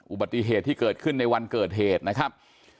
อุบัติเหตุที่เกิดขึ้นในวันเกิดเหตุนะครับ